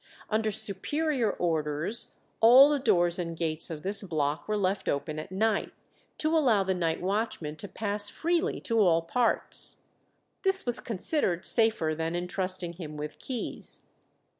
Under superior orders all the doors and gates of this block were left open at night, to allow the night watchman to pass freely to all parts. This was considered safer than intrusting him with keys.